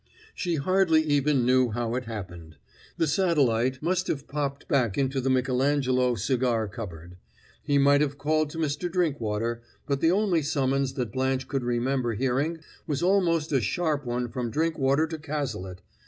She hardly even knew how it happened. The satellite must have popped back into the Michelangelo cigar cupboard. He might have called to Mr. Drinkwater, but the only summons that Blanche could remember hearing was almost a sharp one from Drinkwater to Cazalet.